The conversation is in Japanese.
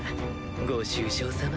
ご愁傷さま。